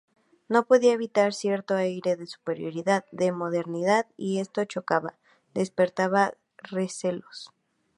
No podían evitar cierto aire de superioridad, de modernidad, y esto chocaba, despertaba recelos.